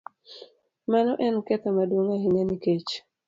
Mano en ketho maduong' ahinya nikech